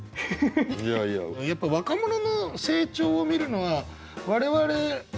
やっぱ若者の成長を見るのは我々老兵からしたら。